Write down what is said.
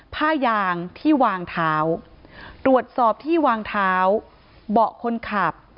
ผ้ายางที่วางเท้าตรวจสอบที่วางเท้าเบาะคนขับ